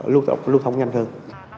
luôn thông nhanh hơn